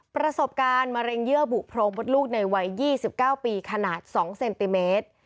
ประสบการณ์มะเร็งเยื่อบุโพรงมดลูกในวัย๒๙ปีขนาด๒เซนติเมตร